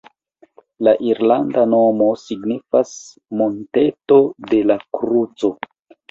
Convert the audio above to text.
La irlanda nomo signifas “monteto de la kruco”.